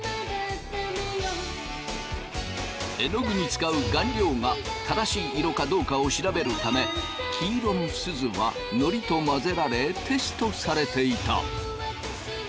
えのぐに使う顔料が正しい色かどうかを調べるため黄色のすずはのりと混ぜられテストされていた！